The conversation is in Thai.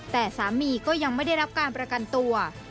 แต่สามีก็ยังไม่ได้รับการประกันตัว